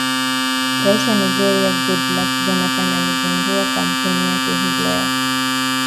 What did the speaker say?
rais wa nigeria goodluck jonathan amezindua kampeni yake hii leo